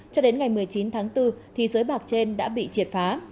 cho đến ngày một mươi chín tháng bốn giới bạc trên đã bị triệt phá